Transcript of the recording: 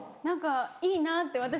何かいいなって。